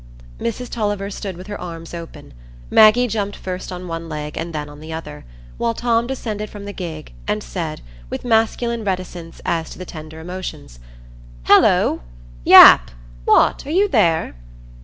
Mrs Tulliver stood with her arms open; Maggie jumped first on one leg and then on the other; while Tom descended from the gig, and said, with masculine reticence as to the tender emotions, "Hallo! Yap—what! are you there?"